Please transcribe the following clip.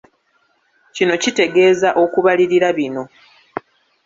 Kino kitegeeza okubalirira bino.